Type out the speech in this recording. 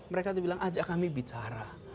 mereka itu bilang ajak kami bicara